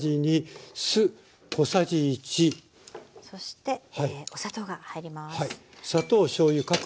そしてお砂糖が入ります。